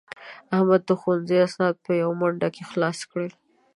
احمد د ښوونځي اسناد په یوه منډه کې خلاص کړل.